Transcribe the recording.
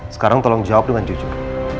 sekarang tolong jawab dengan jujur